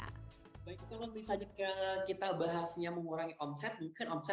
baik kalau misalnya kita bahasnya mengurangi omset mungkin omset